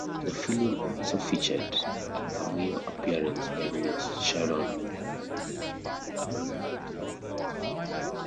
The film also featured a cameo appearance by Ms. Sharon Cuneta near the ending.